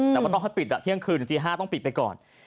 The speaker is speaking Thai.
แต่ว่าต้องให้ปิดเที่ยงคืนตี๕ต้องปิดไปก่อน